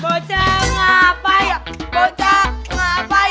boceng apa ya boceng apa ya